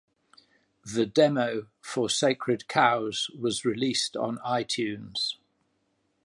The demo for "Sacred Cows" was released on iTunes.